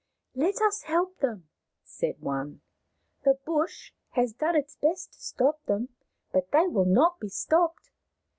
" Let us help them," said one. " The bush has done its best to stop them, but they will not be stopped.